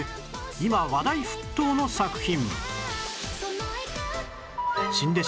今話題沸騰の作品